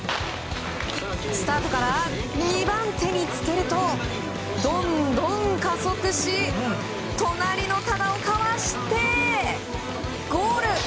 スタートから２番手につけるとどんどん加速し隣の多田をかわしてゴール。